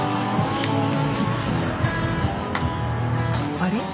あれ？